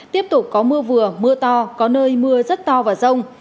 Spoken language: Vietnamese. tiếp tục có mưa vừa mưa to có nơi mưa rất to và rông